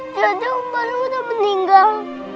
jodoh baru udah meninggal